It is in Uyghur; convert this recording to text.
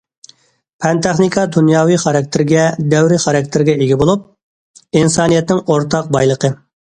پەن- تېخنىكا دۇنياۋى خاراكتېرگە، دەۋر خاراكتېرىگە ئىگە بولۇپ، ئىنسانىيەتنىڭ ئورتاق بايلىقى.